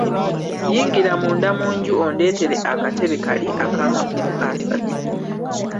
Yingira munda mu nju ondeetere akatebe kali ak'amagulu asatu.